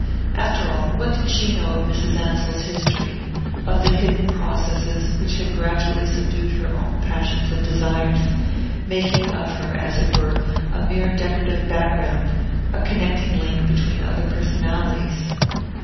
After all, what did she know of Mrs. Ansell's history of the hidden processes which had gradually subdued her own passions and desires, making of her, as it were, a mere decorative background, a connecting link between other personalities?